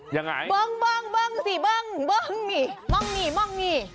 เปิ้งอย่างงี้